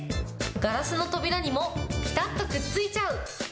ガラスの扉にもぴたっとくっついちゃう。